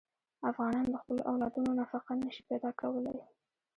افغانان د خپلو اولادونو نفقه نه شي پیدا کولی.